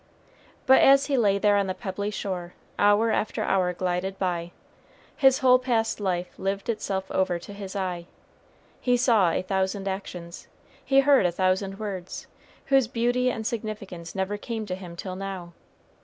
But as he lay there on the pebbly shore, hour after hour glided by, his whole past life lived itself over to his eye; he saw a thousand actions, he heard a thousand words, whose beauty and significance never came to him till now.